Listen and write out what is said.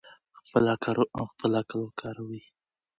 خپل عقل وکاروئ.